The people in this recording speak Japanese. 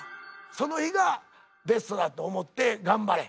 その日がベストだと思って頑張れ。